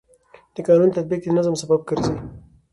د قانون تطبیق د نظم سبب ګرځي.